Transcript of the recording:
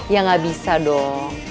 ya enggak bisa dong